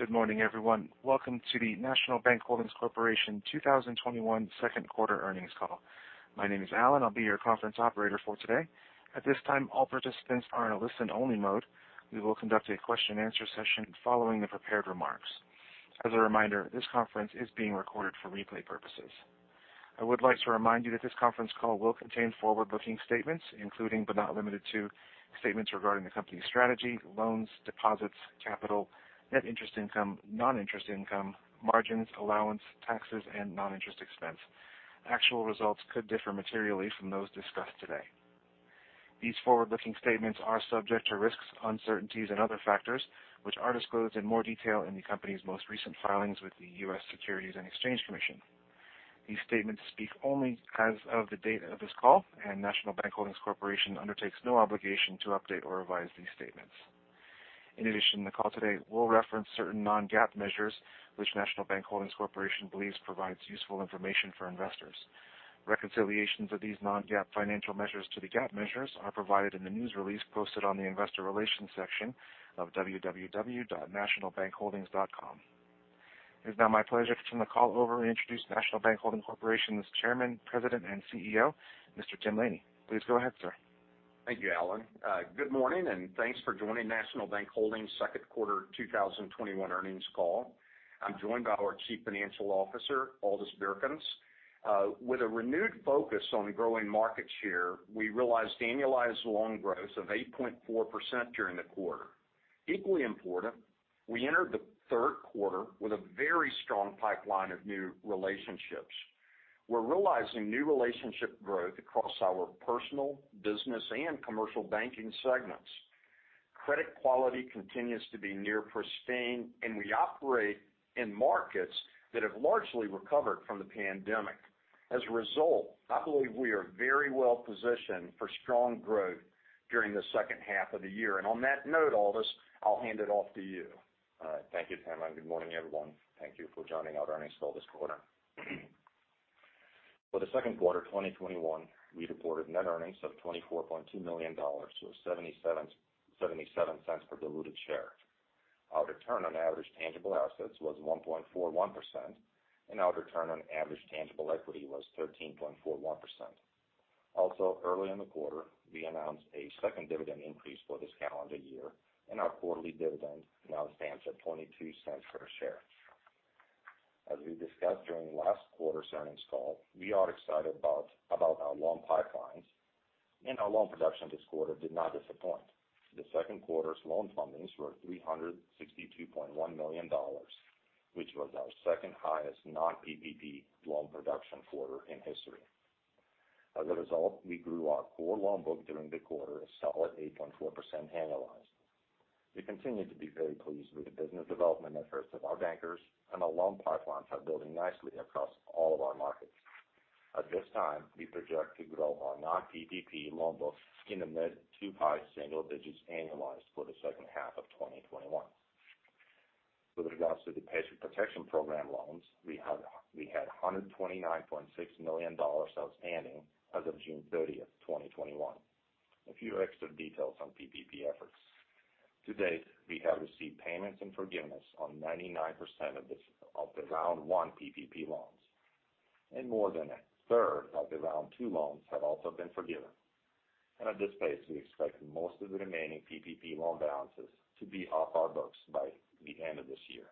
Good morning, everyone. Welcome to the National Bank Holdings Corporation 2021 second quarter earnings call. My name is Alan. I'll be your conference operator for today. At this time, all participants are in a listen-only mode. We will conduct a question and answer session following the prepared remarks. As a reminder, this conference is being recorded for replay purposes. I would like to remind you that this conference call will contain forward-looking statements, including but not limited to, statements regarding the company's strategy, loans, deposits, capital, net interest income, non-interest income, margins, allowance, taxes, and non-interest expense. Actual results could differ materially from those discussed today. These forward-looking statements are subject to risks, uncertainties, and other factors which are disclosed in more detail in the company's most recent filings with the U.S. Securities and Exchange Commission. These statements speak only as of the date of this call, and National Bank Holdings Corporation undertakes no obligation to update or revise these statements. In addition, the call today will reference certain non-GAAP measures, which National Bank Holdings Corporation believes provides useful information for investors. Reconciliations of these non-GAAP financial measures to the GAAP measures are provided in the news release posted on the Investor Relations section of www.nationalbankholdings.com. It is now my pleasure to turn the call over and introduce National Bank Holdings Corporation's Chairman, President, and CEO, Mr. Tim Laney. Please go ahead, sir. Thank you, Alan. Good morning, and thanks for joining National Bank Holdings' second quarter 2021 earnings call. I'm joined by our Chief Financial Officer, Aldis Birkans. With a renewed focus on growing market share, we realized annualized loan growth of 8.4% during the quarter. Equally important, we entered the third quarter with a very strong pipeline of new relationships. We're realizing new relationship growth across our personal, business, and commercial banking segments. Credit quality continues to be near pristine, and we operate in markets that have largely recovered from the pandemic. As a result, I believe we are very well-positioned for strong growth during the second half of the year. On that note, Aldis, I'll hand it off to you. All right. Thank you, Tim, good morning, everyone. Thank you for joining our earnings call this quarter. For the second quarter 2021, we reported net earnings of $24.2 million, or $0.77/diluted share. Our return on average tangible assets was 1.41%, our return on average tangible equity was 13.41%. Also, early in the quarter, we announced a second dividend increase for this calendar year, our quarterly dividend now stands at $0.22/share. As we discussed during last quarter's earnings call, we are excited about our loan pipelines, our loan production this quarter did not disappoint. The second quarter's loan fundings were $362.1 million, which was our second highest non-PPP loan production quarter in history. As a result, we grew our core loan book during the quarter a solid 8.4% annualized. We continue to be very pleased with the business development efforts of our bankers, and our loan pipelines are building nicely across all of our markets. At this time, we project to grow our non-PPP loan books in the mid to high single digits annualized for the second half of 2021. With regards to the Paycheck Protection Program loans, we had $129.6 million outstanding as of June 30th, 2021. A few extra details on PPP efforts. To date, we have received payments and forgiveness on 99% of the round one PPP loans, and more than a third of the round two loans have also been forgiven. At this pace, we expect most of the remaining PPP loan balances to be off our books by the end of this year.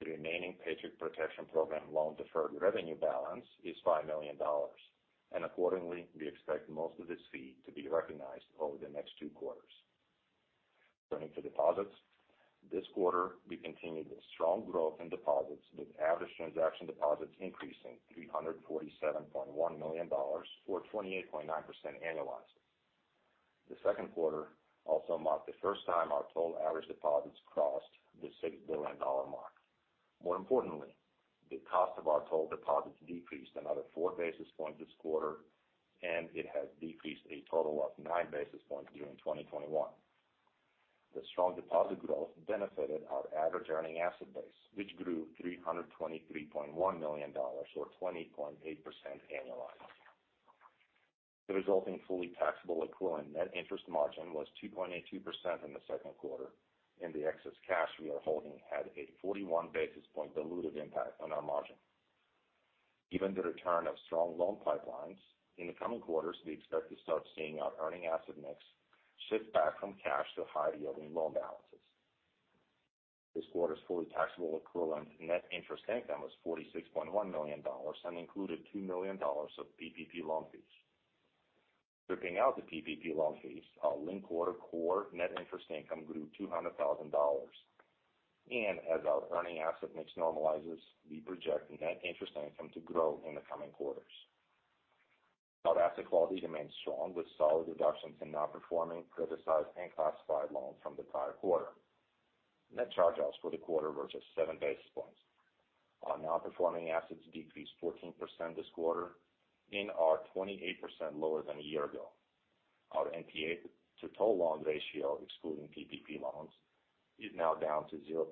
The remaining Paycheck Protection Program loan deferred revenue balance is $5 million, and accordingly, we expect most of this fee to be recognized over the next two quarters. Turning to deposits. This quarter, we continued the strong growth in deposits, with average transaction deposits increasing $347.1 million or 28.9% annualized. The second quarter also marked the first time our total average deposits crossed the $6 billion mark. More importantly, the cost of our total deposits decreased another 4 basis points this quarter, and it has decreased a total of 9 basis points during 2021. The strong deposit growth benefited our average earning asset base, which grew $323.1 million or 20.8% annualized. The resulting fully taxable equivalent net interest margin was 2.82% in the second quarter, and the excess cash we are holding had a 41 basis point dilutive impact on our margin. Given the return of strong loan pipelines, in the coming quarters, we expect to start seeing our earning asset mix shift back from cash to high-yielding loan balances. This quarter's fully taxable equivalent net interest income was $46.1 million and included $2 million of PPP loan fees. Stripping out the PPP loan fees, our linked quarter core net interest income grew $200,000. As our earning asset mix normalizes, we project net interest income to grow in the coming quarters. Our asset quality remains strong with solid reductions in non-performing, criticized, and classified loans from the prior quarter. Net charge-offs for the quarter were just 7 basis points. Our non-performing assets decreased 14% this quarter and are 28% lower than a year ago. Our NPA to total loan ratio, excluding PPP loans, is now down to 0.46%.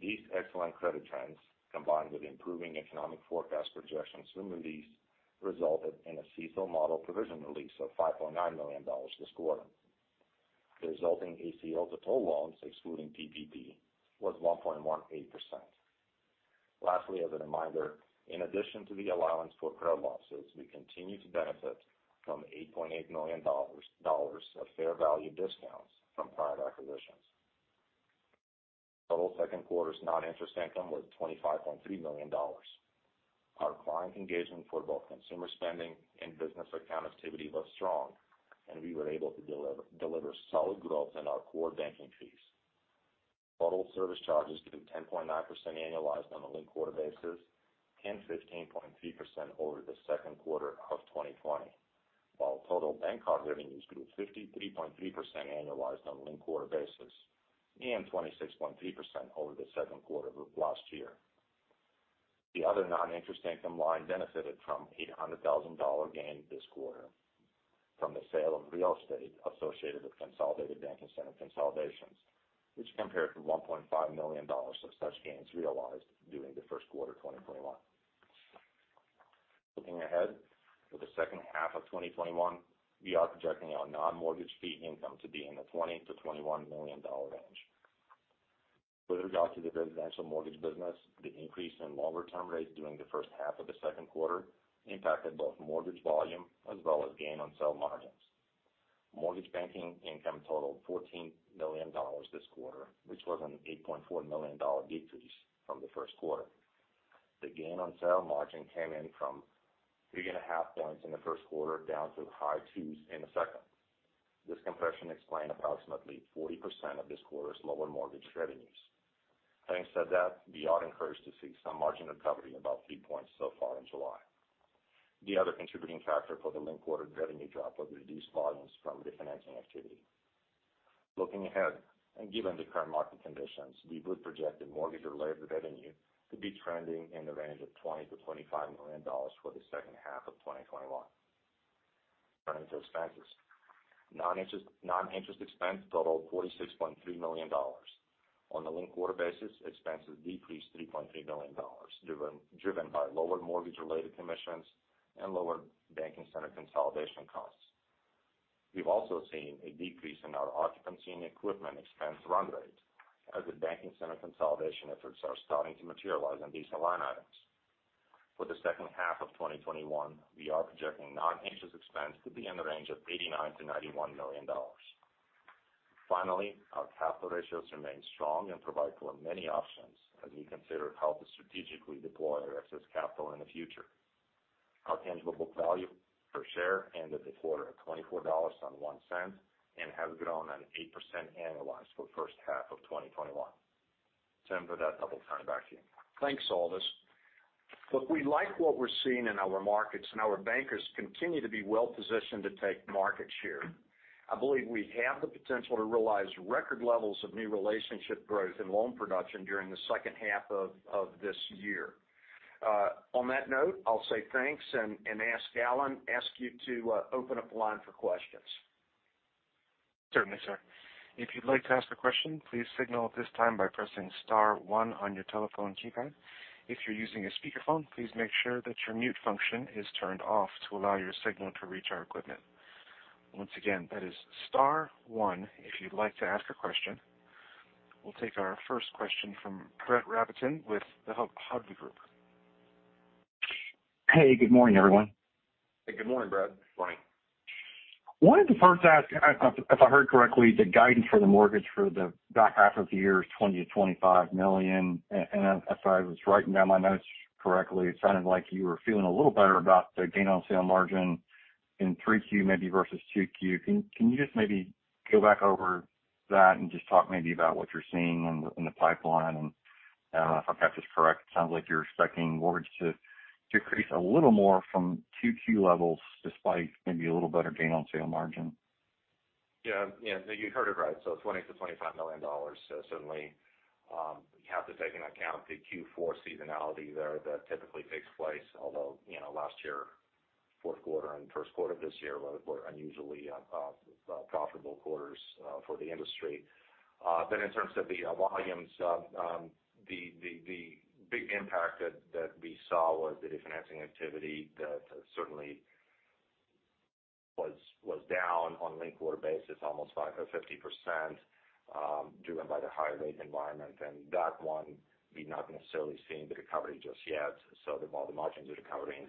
These excellent credit trends, combined with improving economic forecast projections from Moody's, resulted in a CECL model provision release of $5.9 million this quarter. The resulting ACL to total loans, excluding PPP, was 1.18%. Lastly, as a reminder, in addition to the allowance for credit losses, we continue to benefit from $8.8 million of fair value discounts from prior acquisitions. Total second quarter's non-interest income was $25.3 million. Our client engagement for both consumer spending and business account activity was strong, and we were able to deliver solid growth in our core banking fees. Total service charges grew 10.9% annualized on a linked-quarter basis and 15.3% over the second quarter of 2020. While total bank card revenues grew 53.3% annualized on a linked-quarter basis and 26.3% over the second quarter of last year. The other non-interest income line benefited from a $800,000 gain this quarter from the sale of real estate associated with consolidated banking center consolidations, which compared to $1.5 million of such gains realized during the first quarter of 2021. Looking ahead for the second half of 2021, we are projecting our non-mortgage fee income to be in the $20 million-$21 million range. With regard to the residential mortgage business, the increase in longer-term rates during the first half of the second quarter impacted both mortgage volume as well as gain on sale margins. Mortgage banking income totaled $14 million this quarter, which was an $8.4 million decrease from the first quarter. The gain on sale margin came in from 3.5 points in the first quarter down to the high twos in the second. This compression explained approximately 40% of this quarter's lower mortgage revenues. Having said that, we are encouraged to see some margin recovery, about 3 points so far in July. The other contributing factor for the linked-quarter revenue drop was reduced volumes from refinancing activity. Looking ahead, given the current market conditions, we would project the mortgage-related revenue to be trending in the range of $20 million-$25 million for the second half of 2021. Turning to expenses. Non-interest expense totaled $46.3 million. On the linked-quarter basis, expenses decreased $3.3 million, driven by lower mortgage-related commissions and lower banking center consolidation costs. We've also seen a decrease in our occupancy and equipment expense run rate as the banking center consolidation efforts are starting to materialize on these line items. For the second half of 2021, we are projecting non-interest expense to be in the range of $89 million-$91 million. Finally, our capital ratios remain strong and provide for many options as we consider how to strategically deploy our excess capital in the future. Our tangible book value per share ended the quarter at $24.01 and has grown at 8% annualized for the first half of 2021. Tim, with that, I will turn it back to you. Thanks, Aldis. Look, we like what we're seeing in our markets. Our bankers continue to be well-positioned to take market share. I believe we have the potential to realize record levels of new relationship growth and loan production during the second half of this year. On that note, I'll say thanks. Ask Alan to open up the line for questions. Certainly, sir. If you'd like to ask a question, please signal at this time by pressing star one on your telephone keypad. If you're using a speakerphone, please make sure that your mute function is turned off to allow your signal to reach our equipment. Once again, that is star one if you'd like to ask a question. We'll take our first question from Brett Rabatin with the Hovde Group. Hey, good morning, everyone. Hey, good morning, Brett. Morning. Wanted to first ask, if I heard correctly, the guidance for the mortgage for the back half of the year is $20 million-$25 million. As I was writing down my notes correctly, it sounded like you were feeling a little better about the gain on sale margin in 3Q maybe versus 2Q. Can you just maybe go back over that and just talk maybe about what you're seeing in the pipeline? If I've got this correct, it sounds like you're expecting mortgage to decrease a little more from 2Q levels, despite maybe a little better gain on sale margin. Yeah. You heard it right. $20 million-$25 million. Certainly, you have to take into account the Q4 seasonality there that typically takes place, although last year, fourth quarter and first quarter of this year were unusually profitable quarters for the industry. In terms of the volumes, the big impact that we saw was the refinancing activity that certainly was down on a linked-quarter basis almost by 50%, driven by the higher rate environment. That one, we've not necessarily seen the recovery just yet. While the margins are recovering,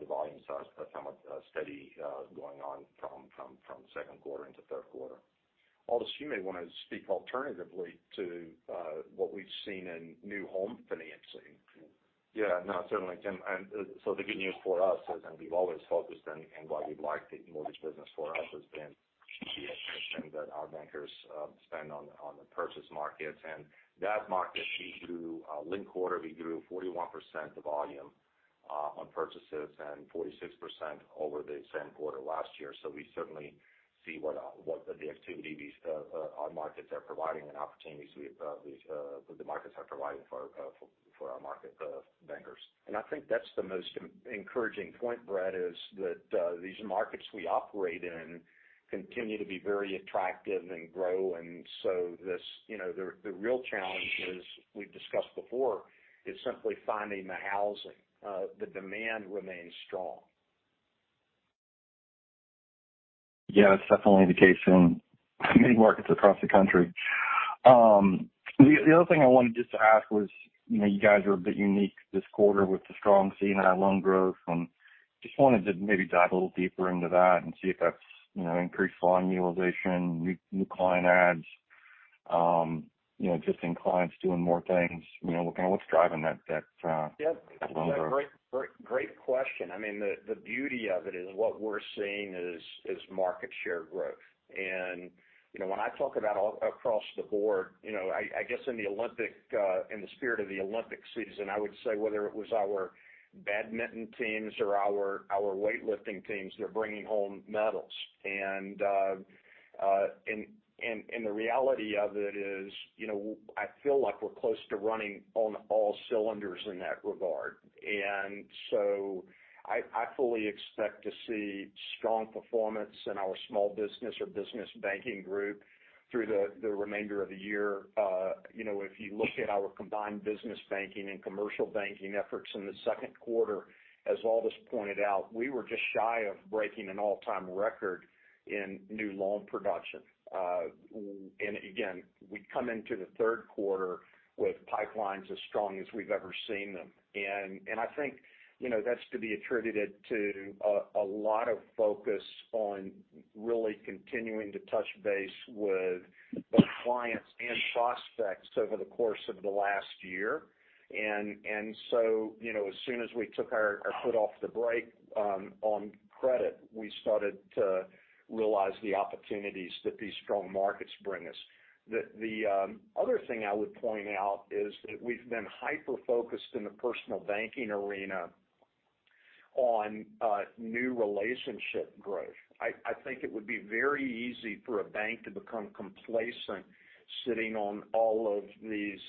the volumes are somewhat steady going on from second quarter into third quarter. Aldis, you may want to speak alternatively to what we've seen in new home financing. Yeah. No, certainly, Tim. The good news for us is, and we've always focused on and why we like the mortgage business for us has been the [interesting] that our bankers spend on the purchase markets. That market, we grew linked quarter, we grew 41% the volume on purchases and 46% over the same quarter last year. We certainly see what the activity our markets are providing and opportunities the markets are providing for our market, the bankers. I think that's the most encouraging point, Brett, is that these markets we operate in continue to be very attractive and grow. The real challenge is, we've discussed before, is simply finding the housing. The demand remains strong. Yeah, that's definitely the case in many markets across the country. The other thing I wanted just to ask was, you guys were a bit unique this quarter with the strong C&I loan growth, and just wanted to maybe dive a little deeper into that and see if that's increased loan utilization, new client adds, existing clients doing more things. What's driving that- Yeah. -loan growth? Great question. The beauty of it is what we're seeing is market share growth. When I talk about all across the board, I guess in the spirit of the Olympic season, I would say whether it was our badminton teams or our weightlifting teams, they're bringing home medals. The reality of it is, I feel like we're close to running on all cylinders in that regard. I fully expect to see strong performance in our small business or business banking group through the remainder of the year. If you look at our combined business banking and commercial banking efforts in the second quarter, as Aldis pointed out, we were just shy of breaking an all-time record in new loan production. Again, we come into the third quarter with pipelines as strong as we've ever seen them. I think that's to be attributed to a lot of focus on really continuing to touch base with both clients and prospects over the course of the last year. As soon as we took our foot off the brake on credit, we started to realize the opportunities that these strong markets bring us. The other thing I would point out is that we've been hyper-focused in the personal banking arena on new relationship growth. I think it would be very easy for a bank to become complacent sitting on all of these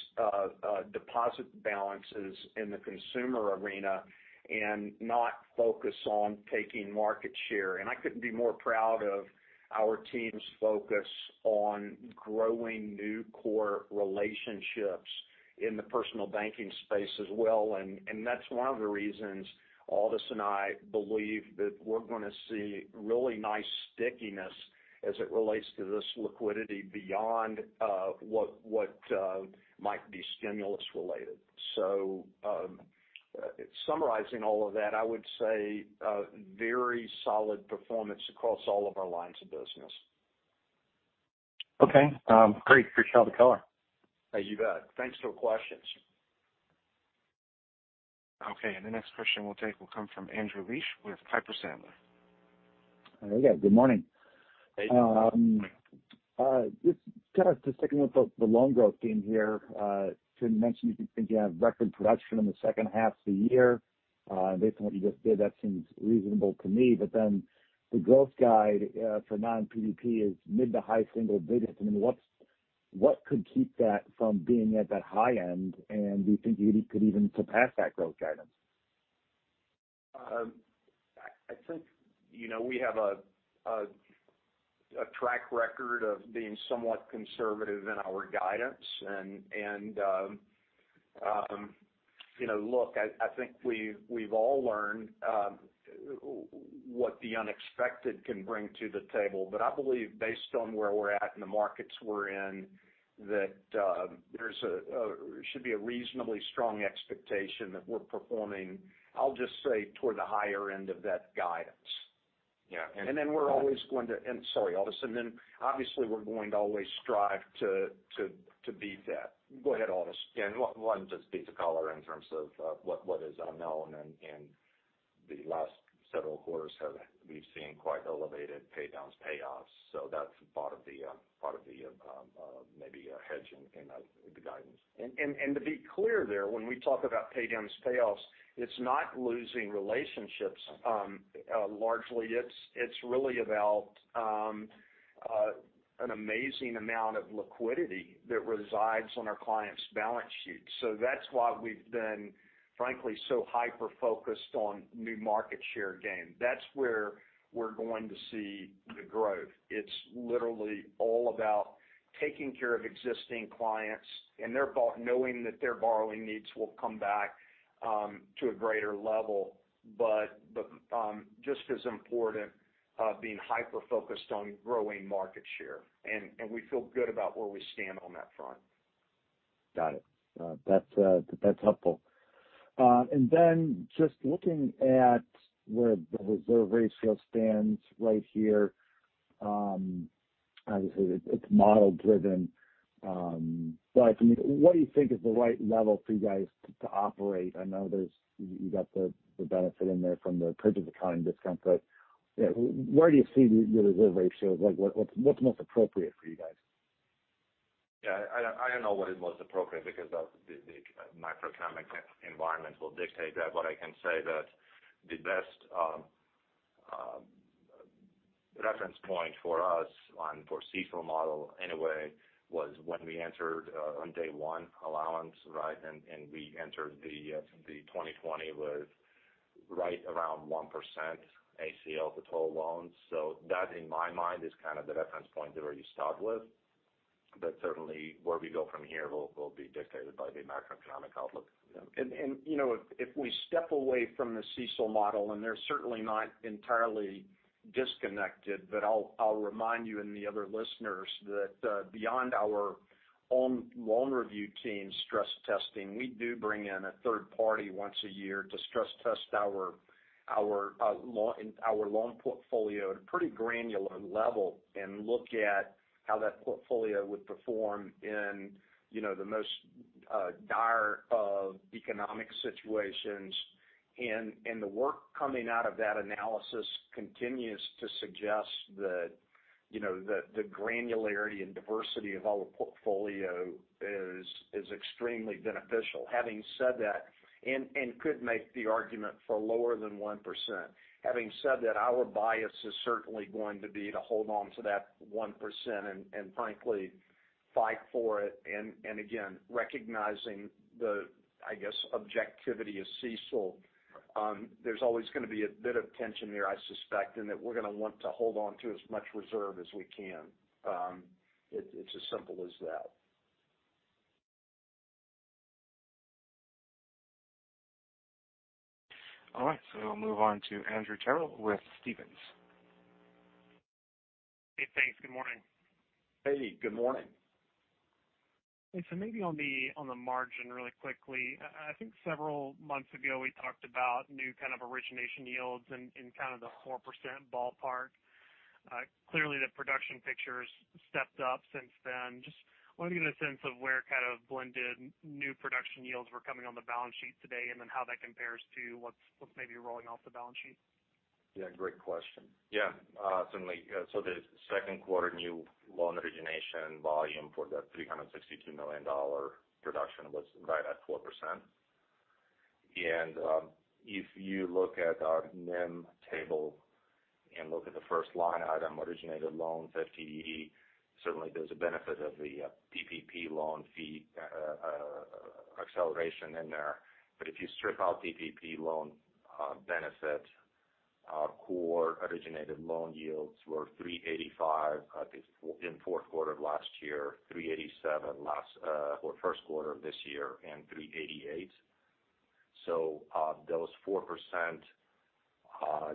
deposit balances in the consumer arena and not focus on taking market share. I couldn't be more proud of our team's focus on growing new core relationships in the personal banking space as well. That's one of the reasons Aldis and I believe that we're going to see really nice stickiness as it relates to this liquidity beyond what might be stimulus related. Summarizing all of that, I would say very solid performance across all of our lines of business. Okay. Great. Appreciate all the color. You bet. Thanks for the questions. Okay, the next question we'll take will come from Andrew Liesch with Piper Sandler. There we go. Good morning. Hey. Just kind of sticking with the loan growth theme here. Tim mentioned you think you have record production in the second half of the year. Based on what you just did, that seems reasonable to me. The growth guide for non-PPP is mid to high single digits. What could keep that from being at that high end? Do you think you could even surpass that growth guidance? I think we have a track record of being somewhat conservative in our guidance. Look, I think we've all learned what the unexpected can bring to the table. I believe based on where we're at in the markets we're in, that there should be a reasonably strong expectation that we're performing, I'll just say toward the higher end of that guidance. Yeah. Sorry, Aldis. Obviously, we're going to always strive to beat that. Go ahead, Aldis. Yeah. One just piece of color in terms of what is unknown and the last several quarters we've seen quite elevated pay downs, payoffs. That's part of the maybe a hedge in the guidance. To be clear there, when we talk about pay downs, payoffs, it's not losing relationships. Largely, it's really about an amazing amount of liquidity that resides on our clients' balance sheets. That's why we've been, frankly, so hyper-focused on new market share gain. That's where we're going to see the growth. It's literally all about taking care of existing clients and knowing that their borrowing needs will come back to a greater level. Just as important, being hyper-focused on growing market share. We feel good about where we stand on that front. Got it. That's helpful. Then just looking at where the reserve ratio stands right here. Obviously, it's model-driven. For me, what do you think is the right level for you guys to operate? I know you got the benefit in there from the purchase accounting discount, but where do you see the reserve ratio? What's most appropriate for you guys? Yeah. I don't know what is most appropriate because the macroeconomic environment will dictate that. I can say that the best reference point for us on, for CECL model anyway, was when we entered on day one allowance. We entered 2020 with right around 1% ACL for total loans. That, in my mind, is kind of the reference point where you start with. Certainly, where we go from here will be dictated by the macroeconomic outlook. If we step away from the CECL model, and they're certainly not entirely disconnected, but I'll remind you and the other listeners that beyond our own loan review team stress testing, we do bring in a third party once a year to stress test our loan portfolio at a pretty granular level and look at how that portfolio would perform in the most dire of economic situations. The work coming out of that analysis continues to suggest that the granularity and diversity of our portfolio is extremely beneficial. Having said that, could make the argument for lower than 1%. Having said that, our bias is certainly going to be to hold on to that 1% and frankly, fight for it. Again, recognizing the, I guess, objectivity of CECL, there's always going to be a bit of tension there, I suspect, in that we're going to want to hold on to as much reserve as we can. It's as simple as that. All right, we'll move on to Andrew Terrell with Stephens. Hey, thanks. Good morning. Hey, good morning. Okay, maybe on the margin, really quickly. I think several months ago, we talked about new kind of origination yields in kind of the 4% ballpark. Clearly the production picture's stepped up since then. Just wanted to get a sense of where kind of blended new production yields were coming on the balance sheet today, and then how that compares to what's maybe rolling off the balance sheet. Yeah, great question. Certainly, the second quarter new loan origination volume for the $362 million production was right at 4%. If you look at our NIM table and look at the first line item, originated loans, FTE, certainly there's a benefit of the PPP loan fee acceleration in there. If you strip out PPP loan benefit, our core originated loan yields were 3.85% in fourth quarter of last year, 3.87% first quarter of this year, and 3.88%. Those 4%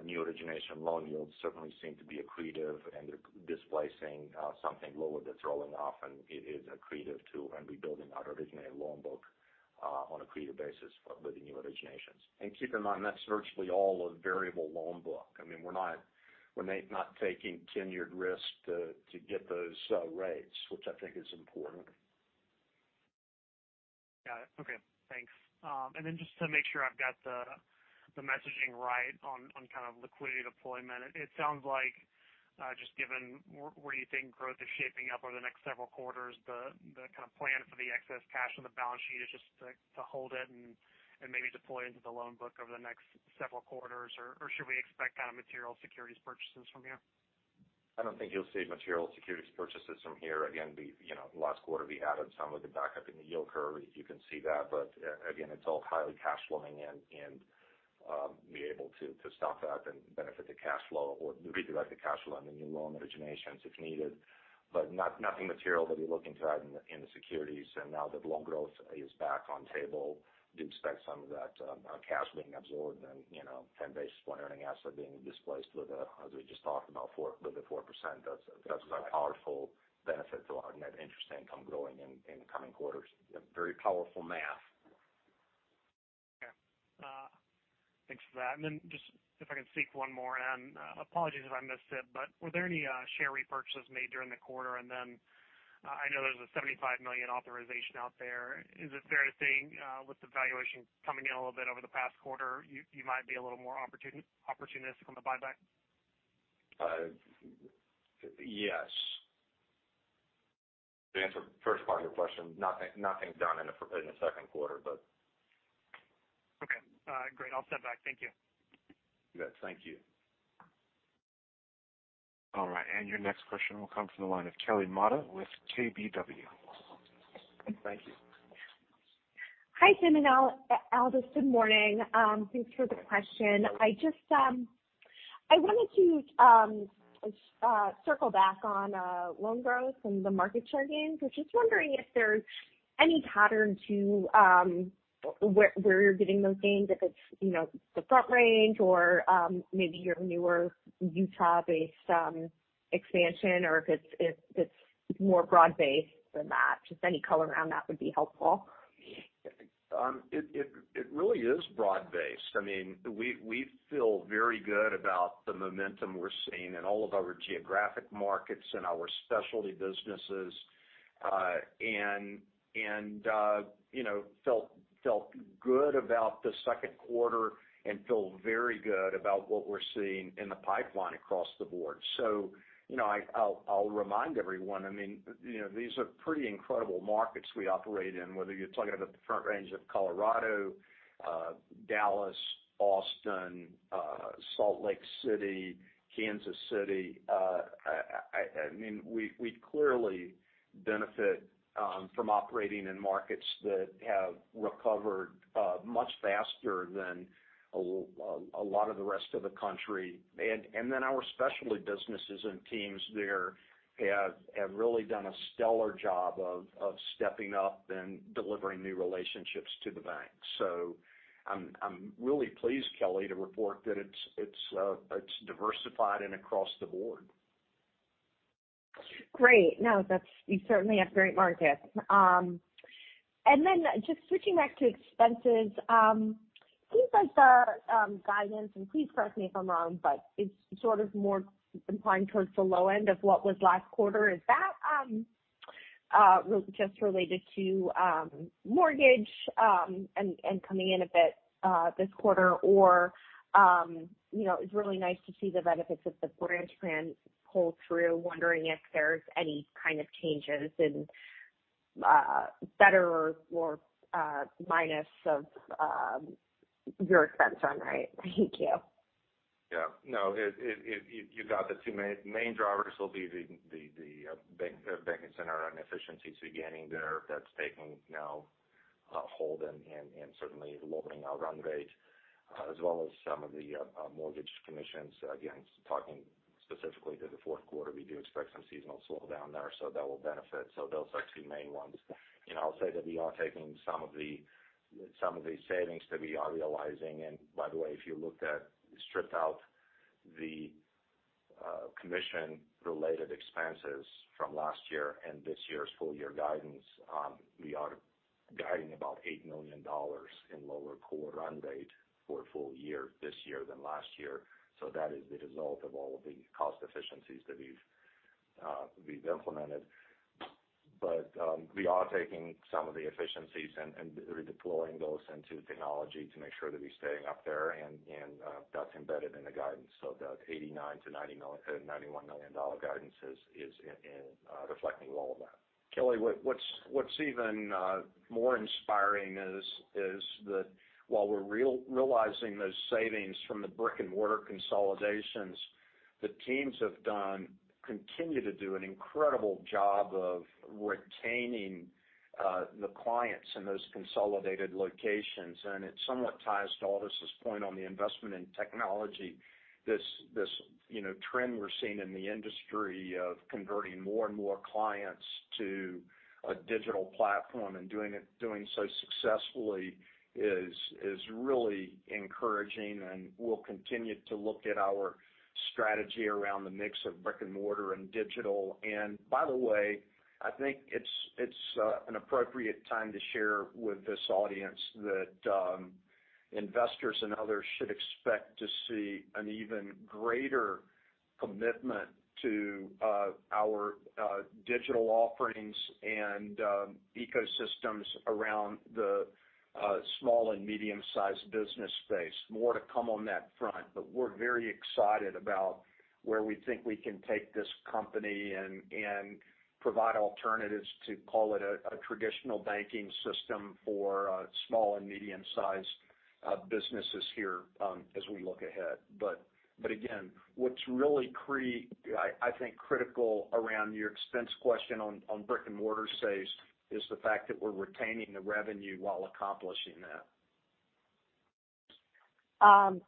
new origination loan yields certainly seem to be accretive and they're displacing something lower that's rolling off, and it is accretive to rebuilding our originated loan book on accretive basis with the new originations. Keep in mind, that's virtually all a variable loan book. I mean, we're not taking tenured risk to get those rates, which I think is important. Got it. Okay, thanks. Just to make sure I've got the messaging right on kind of liquidity deployment. It sounds like just given where you think growth is shaping up over the next several quarters, the kind of plan for the excess cash on the balance sheet is just to hold it and maybe deploy into the loan book over the next several quarters. Should we expect kind of material securities purchases from here? I don't think you'll see material securities purchases from here. Last quarter, we had some of the backup in the yield curve, if you can see that. Again, it's all highly cash flowing and we able to stuff that and benefit the cash flow or redirect the cash flow into new loan originations if needed. Nothing material that we're looking to add in the securities. Now that loan growth is back on table, do expect some of that cash being absorbed and 10 basis point earning asset being displaced with, as we just talked about, with the 4%, that's a powerful benefit to our net interest income growing in the coming quarters. Very powerful math. Okay. Thanks for that. Just if I can sneak one more in. Apologies if I missed it, but were there any share repurchases made during the quarter? I know there's a $75 million authorization out there. Is it fair to say with the valuation coming in a little bit over the past quarter, you might be a little more opportunistic on the buyback? Yes. To answer the first part of your question, nothing done in the second quarter, but... Okay. Great. I'll step back. Thank you. You bet. Thank you. All right. Your next question will come from the line of Kelly Motta with KBW. Thank you. Hi, Tim and Aldis. Good morning. Thanks for the question. I wanted to circle back on loan growth and the market share gains. I was just wondering if there's any pattern to where you're getting those gains, if it's the Front Range or maybe your newer Utah-based expansion, or if it's more broad based than that. Just any color around that would be helpful. It really is broad-based. We feel very good about the momentum we're seeing in all of our geographic markets and our specialty businesses. Felt good about the second quarter and feel very good about what we're seeing in the pipeline across the board. I'll remind everyone, these are pretty incredible markets we operate in, whether you're talking about the Front Range of Colorado, Dallas, Austin, Salt Lake City, Kansas City. We clearly benefit from operating in markets that have recovered much faster than a lot of the rest of the country. Then our specialty businesses and teams there have really done a stellar job of stepping up and delivering new relationships to the bank. I'm really pleased, Kelly, to report that it's diversified and across the board. Great. No, you certainly have great markets. Just switching back to expenses. It seems like the guidance, and please correct me if I'm wrong, but it's more inclined towards the low end of what was last quarter. Is that just related to mortgage and coming in a bit this quarter? It's really nice to see the benefits of the branch plan pull through, wondering if there's any kind of changes in better or minus of your expense run rate. Thank you. Yeah. No, you got the two main drivers will be the banking center and efficiency gaining there that's taking now a hold and certainly lowering our run rate, as well as some of the mortgage commissions. Again, talking specifically to the fourth quarter, we do expect some seasonal slowdown there. That will benefit. Those are two main ones. I'll say that we are taking some of the savings that we are realizing. By the way, if you looked at, stripped out the commission-related expenses from last year and this year's full year guidance, we are guiding about $8 million in lower core run rate for full year this year than last year. That is the result of all of the cost efficiencies that we've implemented. We are taking some of the efficiencies and redeploying those into technology to make sure that we're staying up there and that's embedded in the guidance. That $89 million-$91 million guidance is reflecting all of that. Kelly, what's even more inspiring is that while we're realizing those savings from the brick-and-mortar consolidations, the teams have done, continue to do an incredible job of retaining the clients in those consolidated locations. It somewhat ties to Aldis's point on the investment in technology. This trend we're seeing in the industry of converting more and more clients to a digital platform and doing so successfully is really encouraging. We'll continue to look at our strategy around the mix of brick-and-mortar and digital. By the way, I think it's an appropriate time to share with this audience that investors and others should expect to see an even greater commitment to our digital offerings and ecosystems around the small and medium-sized business space. More to come on that front. We're very excited about where we think we can take this company and provide alternatives to call it a traditional banking system for small and medium-sized businesses here as we look ahead. Again, what's really, I think, critical around your expense question on brick-and-mortar saves is the fact that we're retaining the revenue while accomplishing that.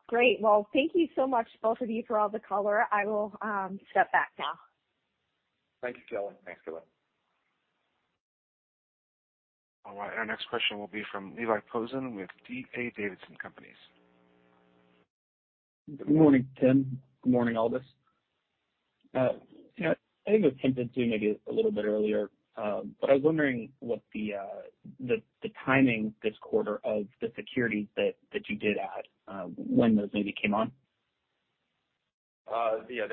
Great. Well, thank you so much, both of you, for all the color. I will step back now. Thank you, Kelly. Thanks, Kelly. All right. Our next question will be from Levi Posen with D.A. Davidson Companies. Good morning, Tim. Good morning, Aldis. I think it was hinted to maybe a little bit earlier, but I was wondering what the timing this quarter of the securities that you did add when those maybe came on? Yeah.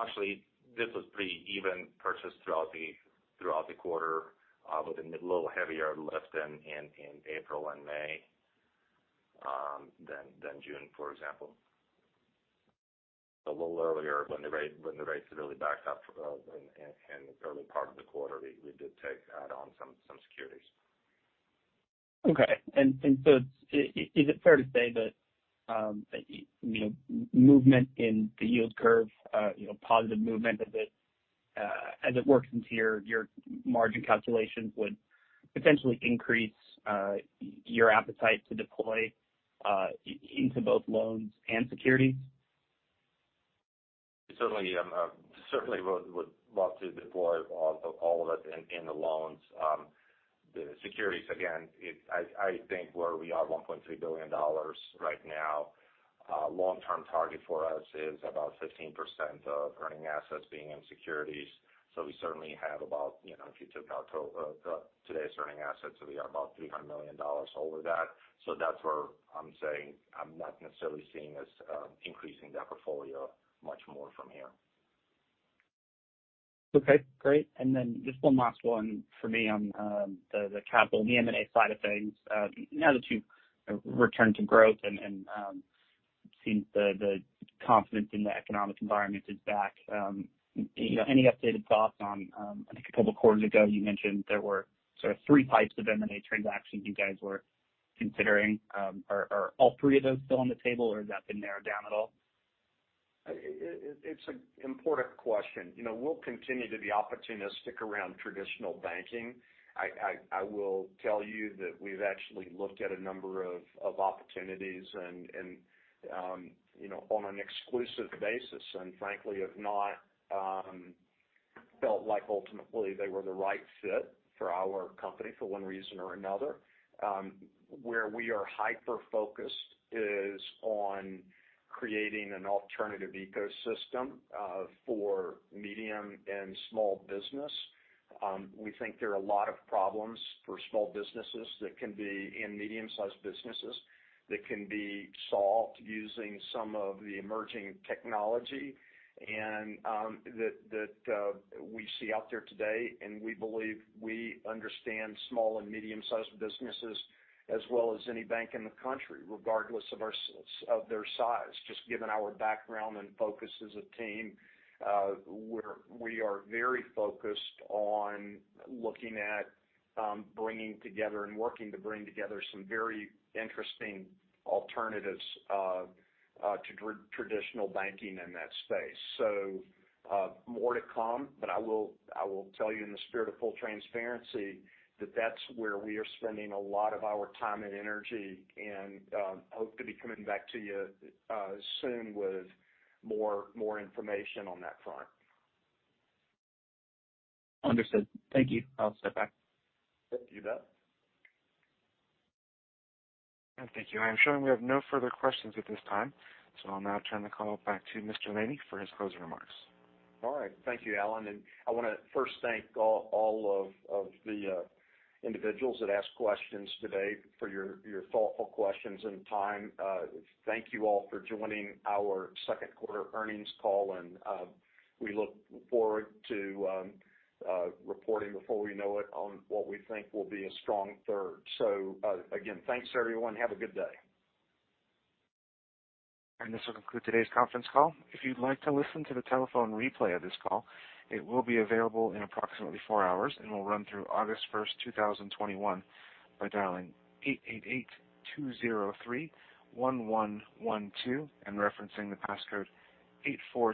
Actually, this was pretty even purchased throughout the quarter, with a little heavier lift in April and May than June, for example. A little earlier when the rates really backed up in the early part of the quarter, we did take add on some securities. Okay. Is it fair to say that movement in the yield curve, positive movement of it as it works into your margin calculations would potentially increase your appetite to deploy into both loans and securities? We certainly would love to deploy all of it in the loans. The securities, again, I think where we are $1.3 billion right now, long-term target for us is about 15% of earning assets being in securities. We certainly have about, if you took out today's earning assets, we are about $300 million over that. That's where I'm saying I'm not necessarily seeing us increasing that portfolio much more from here. Okay, great. Just one last one for me on the capital and the M&A side of things. Now that you've returned to growth and it seems the confidence in the economic environment is back, any updated thoughts on, I think a couple of quarters ago, you mentioned there were sort of three types of M&A transactions you guys were considering. Are all three of those still on the table, or has that been narrowed down at all? It's an important question. We'll continue to be opportunistic around traditional banking. I will tell you that we've actually looked at a number of opportunities and on an exclusive basis, and frankly, have not felt like ultimately they were the right fit for our company for one reason or another. Where we are hyper-focused is on creating an alternative ecosystem for medium and small business. We think there are a lot of problems for small businesses and medium-sized businesses that can be solved using some of the emerging technology that we see out there today. And we believe we understand small and medium-sized businesses as well as any bank in the country, regardless of their size, just given our background and focus as a team. We are very focused on looking at bringing together and working to bring together some very interesting alternatives to traditional banking in that space. More to come, but I will tell you in the spirit of full transparency, that that's where we are spending a lot of our time and energy, and hope to be coming back to you soon with more information on that front. Understood. Thank you. I'll step back. Thank you for that. Thank you. I am showing we have no further questions at this time. I'll now turn the call back to Mr. Laney for his closing remarks. All right. Thank you, Alan. I want to first thank all of the individuals that asked questions today for your thoughtful questions and time. Thank you all for joining our second quarter earnings call, and we look forward to reporting before we know it on what we think will be a strong third. Again, thanks everyone. Have a good day. This will conclude today's conference call. If you'd like to listen to the telephone replay of this call, it will be available in approximately four hours and will run through August 1st, 2021 by dialing 888-203-1112, and referencing the passcode 84.